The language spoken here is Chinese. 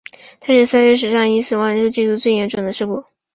它是赛车史上以死亡人数计算最严重的事故。